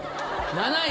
７位！